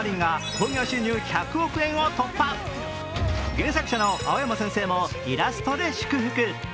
原作者の青山先生もイラストで祝福。